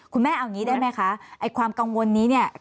คือเขาไม่งั้นเขาก็ใช้คำพูดกันว่าคนมีตังค์